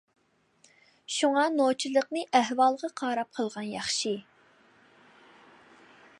شۇڭا نوچىلىقنى ئەھۋالغا قاراپ قىلغان ياخشى!